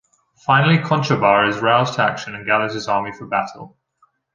Finally Conchobar is roused to action and gathers his army for battle.